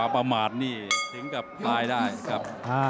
ประมาทนี่สิงค์กระปร้ายได้ครับ